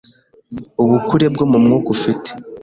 ubukure bwo mu mwuka ufite